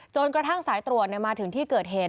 กระทั่งสายตรวจมาถึงที่เกิดเหตุ